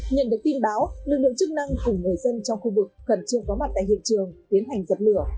nhận được tin báo lực lượng chức năng của người dân trong khu vực cần trường có mặt tại hiện trường tiến hành dập lửa